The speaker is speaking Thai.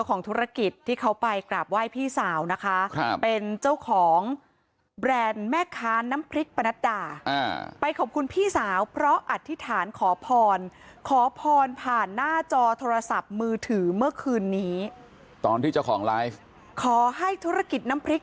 ออเดินน้ำพริกห้าร้อยกระปุกครับ